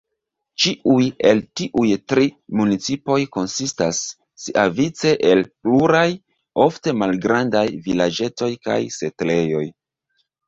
Ĉiuj el tiuj tri municipoj konsistas siavice el pluraj ofte malgrandaj vilaĝetoj kaj setlejoj.